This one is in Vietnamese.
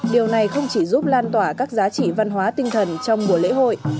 điều này không chỉ giúp lan tỏa các giá trị văn hóa tinh thần trong mùa lễ hội